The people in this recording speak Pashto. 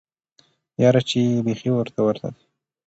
یاره چی بیخی ورته ورته دی